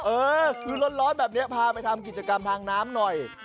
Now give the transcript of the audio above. เออคือร้อนแบบนี้พาไปทำกิจกรรมทางน้ำหน่อย